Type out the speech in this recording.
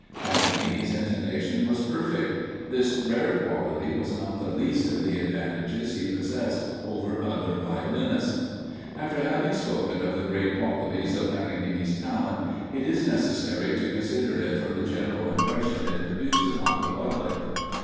Paganini's intonation was perfect; this rare quality was not the least of the advantages he possessed over other violinists. After having spoken of the great qualities of Paganini's talent, it is necessary to consider it from the general impression it produced upon the public.